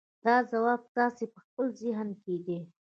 دا ځواب ستاسې په خپل ذهن کې دی.